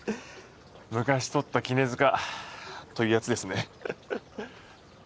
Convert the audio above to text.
昔取ったきねづかというやつですね。